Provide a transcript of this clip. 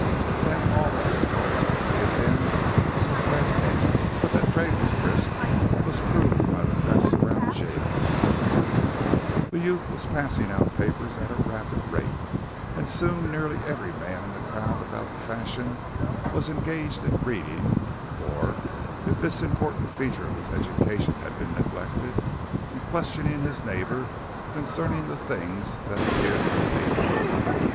Then all that Hollis could see of him was his red head. But that trade was brisk was proved by the press around Jiggs the youth was passing out papers at a rapid rate and soon nearly every man in the crowd about the Fashion was engaged in reading, or, if this important feature of his education had been neglected in questioning his neighbor concerning the things that appeared in the paper.